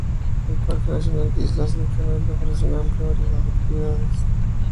El parque nacional Islas del Canal ofrece una amplia variedad de actividades recreativas.